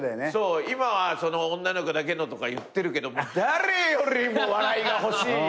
今は「女の子」とか言ってるけど誰よりも笑いが欲しい。